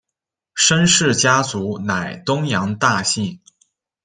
申氏家族乃东阳大姓。